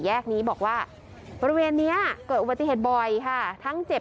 แยกนี้บอกว่าบริเวณนี้เกิดอุบัติเหตุบ่อยค่ะทั้งเจ็บ